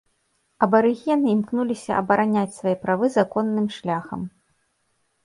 Абарыгены імкнуліся абараняць свае правы законным шляхам.